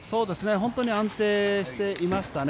本当に安定していましたね。